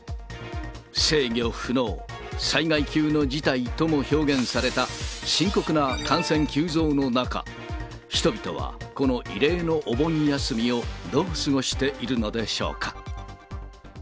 制御不能、災害級の事態とも表現された深刻な感染急増の中、人々はこの異例のお盆休みをどう過ごしているのでしょうか。